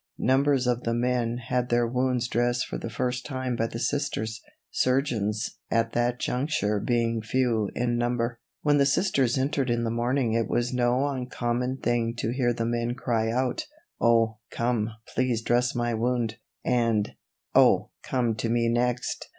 Numbers of the men had their wounds dressed for the first time by the Sisters, surgeons at that juncture being few in number. When the Sisters entered in the morning it was no uncommon thing to hear the men cry out: "Oh, come, please dress my wound," and "Oh, come to me next."